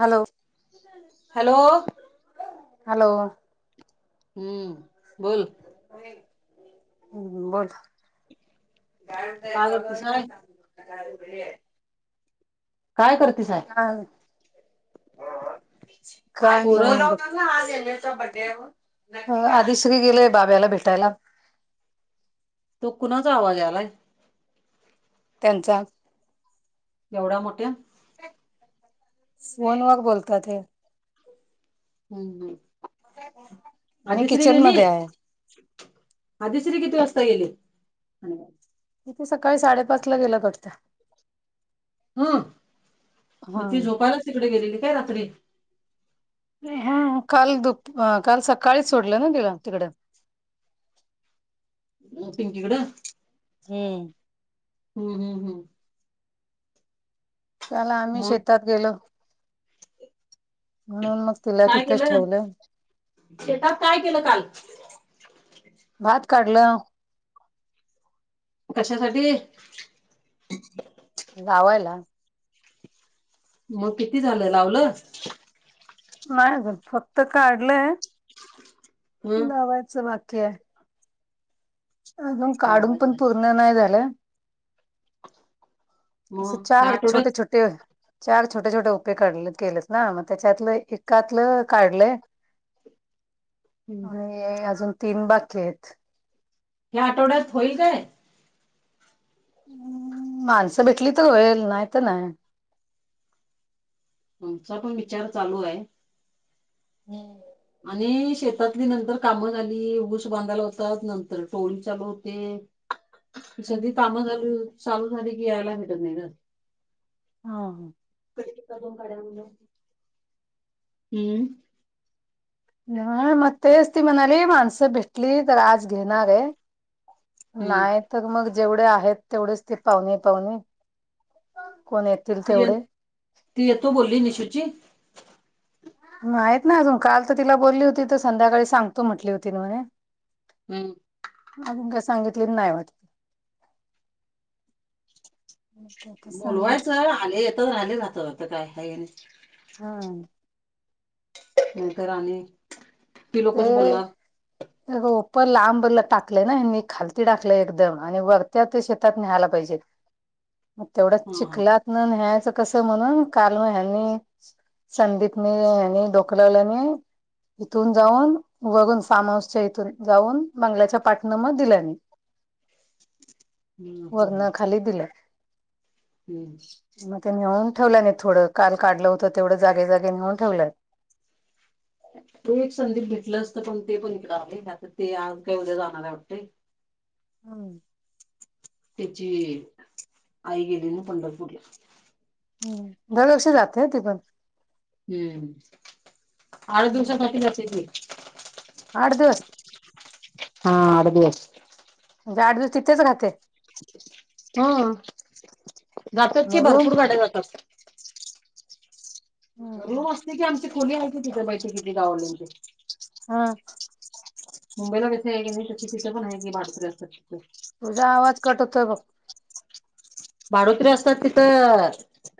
Hello! Hello! Hello! हूं बोल! हूं बोल काय काय करतीस हाय म्हणताय चालू [unintelligible] [unintelligible] काय करतीसा? ह काय पोरं नाय! [unintelligible] आधी श्री गेले बाब्याला भेटायला. तो कुणाचा आवाज यायलाय? त्यांचा! एवढा मोठ्या फोनवर बोलतात हे! हूं हूं मी आधी श्री किचन गेली.? मध्ये आहे आधी श्री किती वाजता गेली? इथे सकाळी साडेपाच ला गेल्यात वाटतं. हं मग ती झोपायलाच तिकडे गेलेली काय रात्री? ह काल दुप काल सकाळी सोडलं ना तिला तिकड! पिंकी कड. हूं! हूं हूं हूं! काल आम्ही मग शेतात गेलो. म्हणून मग तिला काय तिथंच केलं ठेवलं. शेतात काय केलं काल? भात काढलं. कशासाठी? घावायला. मग किती झालं? लावलं. नाही अजून फक्त काढलंय हं लावायचं बाकी आहे. अजून काढून लावायचं पण हाय. पूर्ण नाही झालं. असं मग ह्या चार छोटे आठवड्यात छोटे ते चार छोटे छोटे उपे काढ केलेत ना मग त्याच्यातलं ऐकातल काढलं. आणि अजून तीन बाकी आहेत. या आठवड्यात होईल काय? माणसं भेटली तर होईल नाही तर नाही. आमचा पण विचार चालूय. [inaudible] आणि शेतातली नंतर कामं झाली. ऊस बांधायला होतात. नंतर टोळी चालू होते. [unintelligible] सगळी काम चालू चालू झाली की, यायला भेटतं नाही ग. हा ह. कडीपत्ता दोन काड्या आण जा. हम्म... हा मग तेच ती म्हणाली माणसं भेटली तर आज घेणार आहे. हम्म नाही तर मग जेवढे आहेत तेवढेच ते पावणे पावणे कोण येत ती ती येतो बोली निशुची. माहित नाय अजून काल तर तिला बोलली होती तर संध्याकाळी सांगतो म्हटली होती म्हणे. हम्म. अजून काय सांगितल नाही वाटते. आता सांगेल बोलवायचं. आले येतात राहिल राहत. आता काय ह नाही. हा. नंतर आणि ती ते लोकच बोलणार ओप लांबरला टाकलंय ना यांनी खालती टाकलंय एकदम आणि वरती त्या ते शेतात नेहायला पाहिजेत मग तेवढा हा हा चिकलात. न नह्यायचं कस म्हणून काल म ह्यांनी संदीपने ह्यांनी डोक लावल्यानी इथून जाऊन वरून फार्म हाऊसच्या इथून जाऊन बंगल्याच्या पाठण म दिल्याने. हम्म असं हाय वरण खाली दिलं. हम्म. मग ते नेऊन ठेवलं नाही थोडं काल काढलं होतं तेवढ जागे जागे नेऊन ठेवलंय. तो एक संदीप भेटलं असतं पण ते पण इकडं आलंय आता ते आज काय उद्या जाणार आहे वाटते. हम्. त्याची आई गेली ना पंढरपूरला. हम्म दरवर्षी जाते ती पण. हम्म. आठ दिवसासाठी जाते ती. आठ दिवस. हा आठ दिवस. म्हणजे आठ दिवस तितंच राहते. ह जातात की मग भरपूर गाड्या जातात. रूम असते की आमची खोली आहे की तिथे बैठकीची गाववाल्याची हम मुंबईला कशी आहे कणी तस तिथं पण आहे की भाडोत्री असत्यात तिथ तुझां आवांज कंट होतोय बघं भाडोत्री असतांत तिथं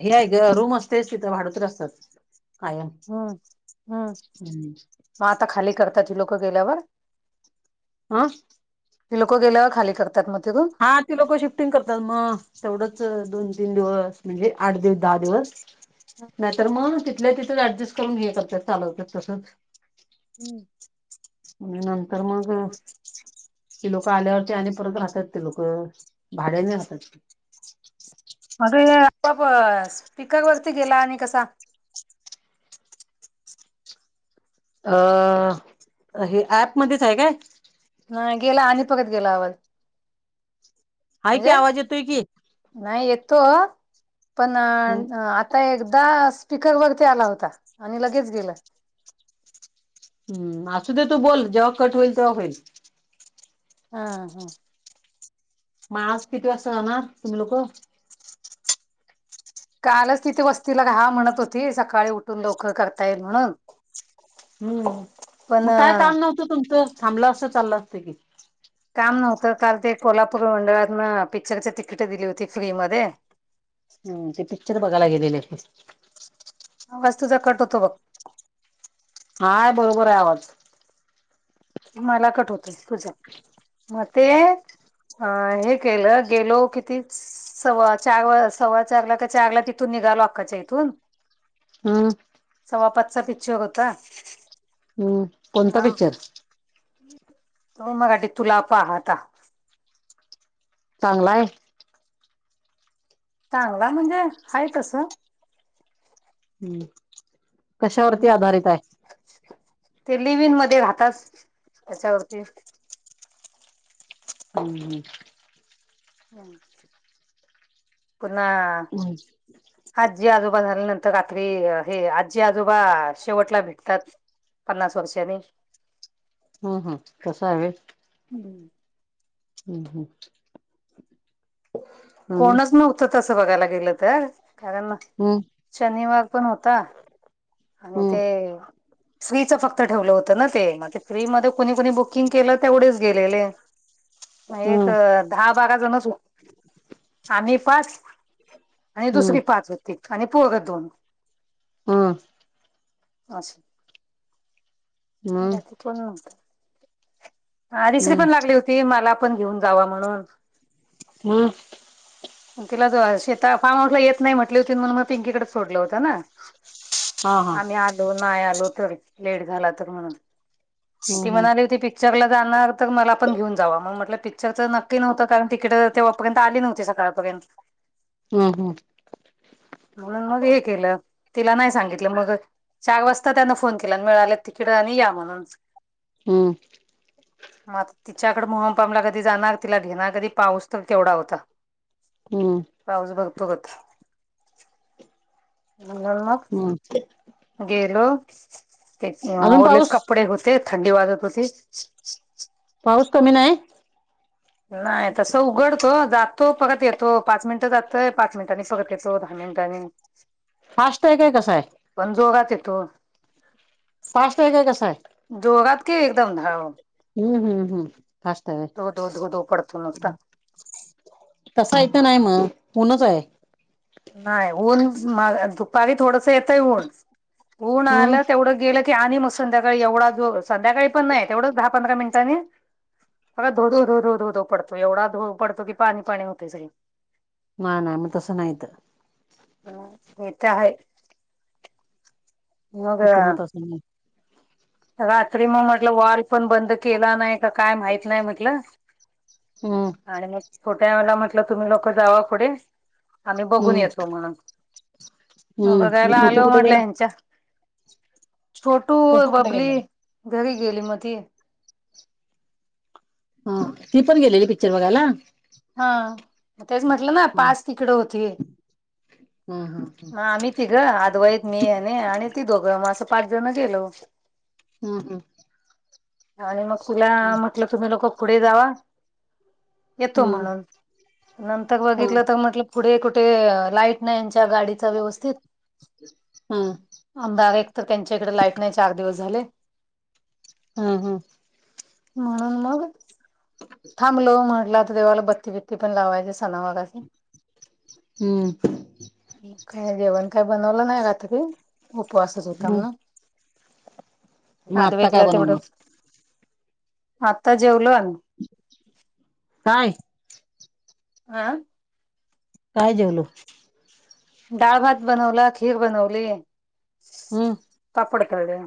हे आहे गं रूंम असतंय भाडोत्री असतांत हम्मं हम्मं हम्म मगं आंता खाली करतांत ती लोकं गेल्यावरं हं हं की लोकं गेल्यावरं खाली करतांत तिथूंनचं हां ते लोकं शिफ्टिंग करतांत मगं तेवढंच दोन तीनं दिवसं म्हणजे आंठ दिवसं दहा दिवसं नाहीं तरं मगं तिथल्या तिथं ऍडजस्ट करूंन हे करतांत चालवत्यांत तसं हम्मं आणि नंतर मगं ती लोकं आल्यांवरती आणि परतं राहतांत ते लोकं भाड्यांने राहतांत ते अंग हां लॅपटॉप आंता गं स्पीकर वरती गेलां आणि कसां अं हे ऍपमध्येंचं आहे कायं अं, गेलां आणि परतं गेलां आवांज. हांय कि आवांज येतोय की नाहीं येतो पणं आं आंता एकदां स्पीकर वरती आंला होतां आणि लगेच गेलं हम्मं असूं दे तूं बोलं जेव्हां कंट होईल तेव्हां होईल हां हां मगं आंज किती वाजतां जाणारं तुम्हीं लोकं कालंचं तिथे वस्तील हां म्हणतं होती सकाळीं उठूंन लवकरं करतां येईल म्हणूंन हम्मं मगं कायं कामं नव्हतं तुमचं थांबलं असतं चाललं असतं की तुमचं कामं नव्हतं कांल ते कोल्हापूर मंडळातूंन पिक्चरची तिकिट दिली होती फ्री मध्यें हम्मं ते पिक्चर बघांयला गेलेले ते आवांज तुझां कंट होतो बघं हां बरोबर हांय आवांज मलां कंट होतंय तुझं मगं ते हे केलं गेलो कितीचं सव्वा चार सव्वाच्यां चारलां कां चारलां तिथूंन निघालो अक्कांच्या इथूंन हम्मं सवा पांचचां पिक्चर होतां कोणंता पिक्चरं तो मराठी तुलां पाहतां चांगला हांय चांगला हांय म्हणजे हांय तसं हम्मं ते लिविंग मध्यें राहातांत त्यांच्यावरंती हम्मं हं हम्मं पुन्हां हम्मं आजी आजोबा झाल्यानंतर रात्री हे आजी आजोबा शेवटंला दिसतांत पन्नास वर्षांनी हम्मं हम्मं कसं आहे होयं हम्मं हम् हम् कोणच नव्हतं तसं बघायला गेलं तर कारण हम्म शनिवार पण होता आणि ते फ्रीचं फक्त ठेवलं होतं ना ते मग ते फ्री मध्ये कोणी कोणी बुकिंग केलं तेवढच गेलेले हा एक हम्म दहा बारा जणच आम्ही पाच आणि हम्म हम्म दुसरी पाच होती आणि पोर दोन हम असं हम्म कोण नव्हत हा दुसरी हम्म पण लागली होती मला पण घेऊन जावा म्हणून हम तिला त शेता फार्म हाऊसला येत नाही म्हंटली होती म्हणून मग पिंकीकडेच सोडलं होत ना हा हा आम्ही आलो नाही आलो तर लेट झाला तर म्हणून हम्म ती हम्म म्हणाली होती पिक पिक्चर ला जाणार तर मला पण घेऊन जावा मग म्हटलं पिक्चर च नक्की नव्हतं कारण तिकीट तेव्हापर्यंत आली नव्हती सकाळपर्यंत हम हम म्हणून मग हे केलं तिला नाही सांगितलं मग चार वाजता त्यान फोन केला मिळाले तिकीट आली या म्हणून हम्म मग आता तिच्याकड मोहमपामला कधी जाणार तिला घेणार कधी पाऊस तर केवढा होता हम पाऊस भरपूर होता बर मग ह गेलो ते अजून ओलेच पाऊस कपडे होते थंडी वाजत होती पाऊस कमी नाही नाही तसं उघडतो जातो परत येतो पाच मिनटं जातो तर पाच मिनिटांनी परत येतो दहा मिनिटांनी फास्ट आहे का कसं आहे पण जोरात येतो फास्ट आहे का कस आहे जोरात की एकदम धो हम्म हम्म हम्म फास्ट आहे धो धो धो धो पडतो नुसता तसा इथं नाही मग ऊनच आहे नाही ऊन दुपारी थोडस येतय ऊन ऊन हम्म आलं तेवढं गेलं की आणि मग संध्याकाळी एवढा जो संध्याकाळी पण नाही तेवढंच दहा पंधरा मिनिटांनी बघ धो धो धो पडतोय एवढा धो पडतो की पाणी पाणी होतेय सगळी नाही नाही मग तसं नाही हित हित आहे हित मग तसं नाही रात्री मग म्हटलं वॉल पण बंद केला नाही तर काय माहित नाही म्हटलं हम्म आणि मग छोट्याला म्हटलं तुम्ही लोक जावा पुढे आम्ही बघून हम्म येतो म्हणून मग हम्म बघायला छोटू आलो कुठे म्हटलं गेला ह्यांच्या छोटू कुठे बबली गेला घरी गेली मग ती ह ती पण गेलेली पिक्चर बघायला हा तेच म्हटलं ना हा पाच तिकिट होती हा हा मग आम्ही तिघ आधवाईत मी आणि ती दोघं मग असं पाच जण गेलो होत. हम्म. आणि मग तुला म्हटलं तुम्ही लोक पुढे जावा. तो हम्म म्हणून. नंतर हा बघितलं तर म्हटलं पुढे कुठे लाईट नाही यांच्या गाडीच व्यवस्थित हा अमदार एक तर त्यांच्या इकडे लाईट नाही चार दिवस झाले. हा हा. हम्म मग. थांबलो म्हटलं तर देवाला बत्ती बिती पण लावायची सणावाराच अस. हम्म. काय जेवण काय बनवलं नाही का तु. उपवासच होता ना मग आता काय अद्वेदला बनवणार तेवढंच आता जेवलो आम्ही. काय? हा काय जेवलो. डाळ भात बनवला खीर बनवली. हम्म. पापड तळलेले.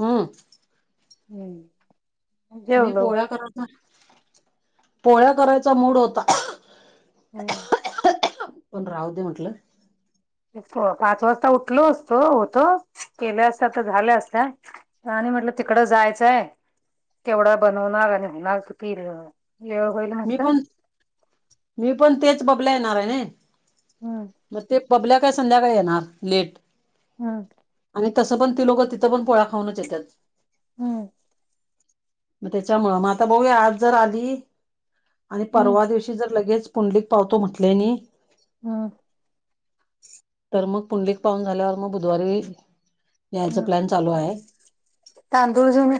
हम्म. हम्म मी जेवलो पोळ्या करायचा पोळ्या करायचा मूड होता. हम्म. पण राहु दे म्हटलं? पाच वाजता उठलो असतो होतो केल्या असता तर झाल्या असत्या. आणि म्हटलं तिकडं जायचंय केवढा बनवणार आणि होणार तु ये होहिला मी पण मी पण तेच बबल्या येणार आहे ना हम्म मग ते बबल्या काय संध्याकाळी येणार लेट हा. आणि तसं पण ती लोकं तिथं पण पोळ्या खाऊच येत्यात. हम्म. मग त्याच्यामुळं मग आता बगुया आज जर आली? आणि हम्म परवा दिवशी जर पुंडलिक पावतो म्हटले नाही? हम्म. तर मग पुंलीिक पाहून झाल्यावर मग बुधवारी यायच हम्म प्लॅन चालू आहे? तांदूळ घेऊन या.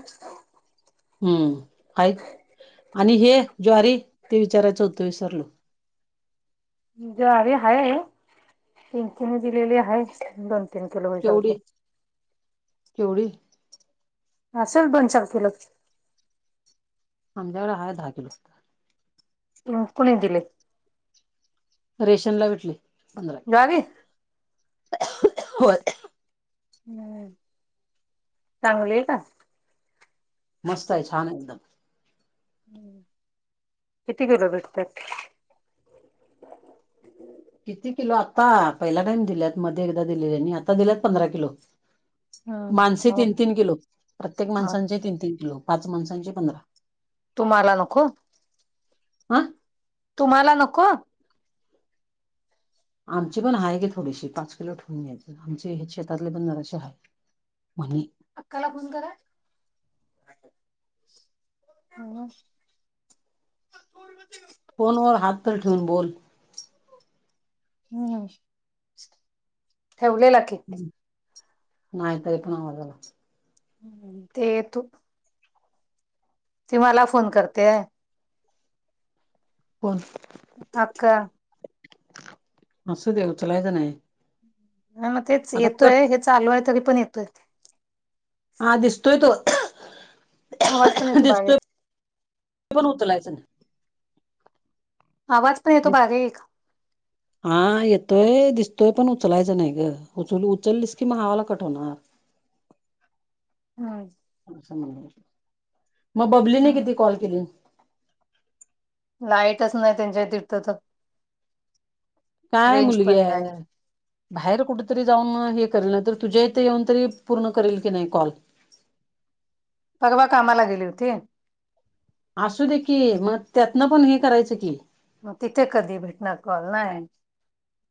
हम्म आहेत आणि हे ज्वारी ते विचारायचं होतं विसरलो? ज्वारी आहे पिंकीने दिलेली आहे दोन तीन किलो होईसारखी केवढी केवढी असल दोन चार किलो? आमच्यायाकडे आहे दहा किलो असतात कोणी दिले रेशन ला भेटले ज्वारी. होय नाय चांगली आहे का? मस्त आहे छान एकदम. किती किलो भेटते? किती किलो आता पहिला टाइम दिल्यात मध्ये एकदा दिलेल्यानी आता दिल्यात पंधरा किलो. माणसे हम्म मग तीन तीन किलो प्रत्येक माणसांचे तीन तीन किलो पाच माणसांचे पंधरा. तुम्हाला नको. आ तुम्हाला नको आमची पण आहे की थोडीशी पाच किलो ठेवून घ्यायची आमचे हे शेतातले पण जराशी आहे [unintelligible] अक्काला फोन करा. हा [inaudible] फोनवर हात तर ठेवून बोल. हम्म हम्म ठेवलेला की. नाय तरी पण आवाज आ. हम्म ते तू ती मला फोन करते. कोन? अक्का. असू दे उचलायचं नाही. हां मग तेच आता कट येतोय हे चालू आहे तरी पण येतोय. हा दिसतोय तो, आवाज पण येतो दिसतोय बारीक पण उचलायचं नाही. आवाज पण येतो दिस- बारीक. हा येतोय दिसतोय पण उचलायचं नाही ग उचल उचललीस की मग हा वाला कट होणार. [inaudible] हम्म असं म्हणल. मग बबलीने हम्म किती कॉल केले? लाईटच नाही त्यांच्या तिथ तर. काय रेंज मुलगी पण नाही आहे. बाहेर कुठेतरी जाऊन हे करेल ना तर तुझ्या इथे येऊन तरी पूर्ण करेल की नाही कॉल. परवा कामाला गेली होती. असू दे की मग त्यातनं पण हे करायचं की. मग तिथे कधी भेटणार कॉल नाही.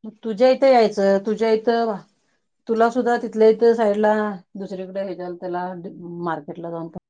मग तुझ्या इथं यायचं तुझ्या इथं तुला सुद्धा तिथल्या तीथ साईड ला दुसरीकडे हेज्याल त्याला मार्केट ला जाऊन पण.